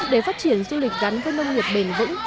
để phát triển du lịch gắn với nông nghiệp bền vững